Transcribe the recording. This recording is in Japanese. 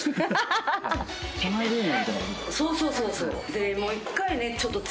そうそうそうそう。